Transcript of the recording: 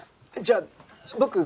じゃあ僕